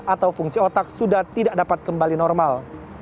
atau fungsi otak sudah tidak dapat kembali normal